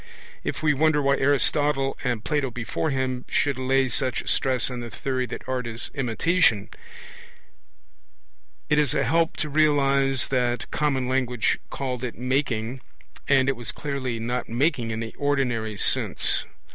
If we wonder why Aristotle, and Plato before him, should lay such stress on the theory that art is imitation, it is a help to realize that common language called it 'making', and it was clearly not 'making' in the ordinary sense.